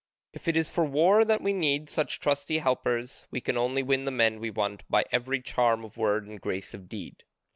And if it is for war that we need such trusty helpers, we can only win the men we want by every charm of word and grace of deed.